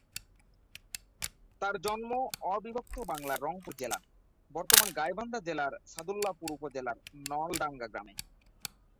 তার জন্ম অবিভক্ত বাংলার রংপুর জেলা, বর্তমান গাইবান্ধা জেলার সাদুল্লাপুর উপজেলার নলডাঙ্গা গ্রামে।